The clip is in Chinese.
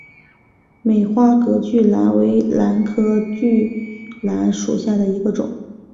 美花隔距兰为兰科隔距兰属下的一个种。